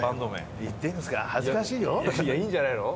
いやいいんじゃないの？